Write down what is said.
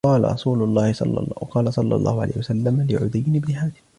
وَقَالَ صَلَّى اللَّهُ عَلَيْهِ وَسَلَّمَ لِعَدِيِّ بْنِ حَاتِمٍ